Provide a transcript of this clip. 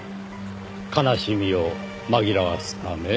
悲しみを紛らわすため？